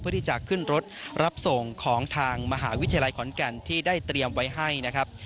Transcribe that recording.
เพื่อที่จะขึ้นรถรับส่งของทางมหาวิทยาลัยขอนแก่นที่ได้เตรียมไว้ให้นะครับ